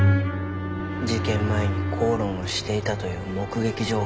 事件前に口論していたという目撃情報。